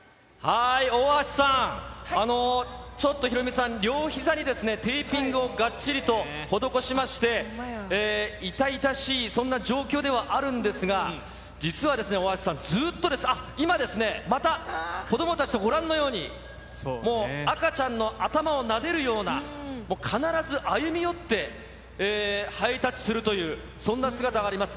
大橋さん、ちょっとヒロミさん、両ひざにですね、テーピングをがっちりと施しまして、痛々しいそんな状況ではあるんですが、実はですね、大橋さん、ずっとですね、今ですね、また子どもたちとご覧のように、もう赤ちゃんの頭をなでるような、必ず歩み寄ってハイタッチするという、そんな姿があります。